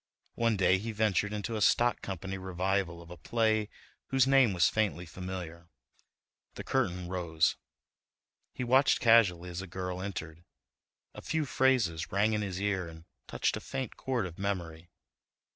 One day he ventured into a stock company revival of a play whose name was faintly familiar. The curtain rose—he watched casually as a girl entered. A few phrases rang in his ear and touched a faint chord of memory.